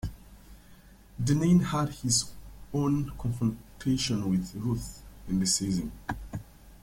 Dinneen had his own confrontation with Ruth in the season.